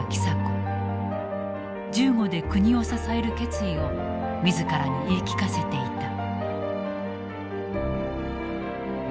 銃後で国を支える決意を自らに言い聞かせていた。